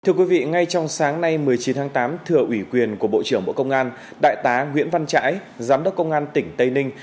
thưa quý vị ngay trong sáng nay một mươi chín tháng tám thừa ủy quyền của bộ trưởng bộ công an đại tá nguyễn văn trãi giám đốc công an tỉnh tây ninh